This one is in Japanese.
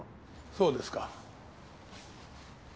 そうですか。